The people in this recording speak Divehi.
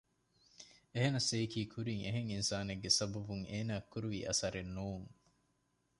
އެހެނަސް އެއީކީ ކުރިން އެހެން އިންސާނެއްގެ ސަބަބުން އޭނާއަށް ކުރުވި އަސަރެއް ނޫން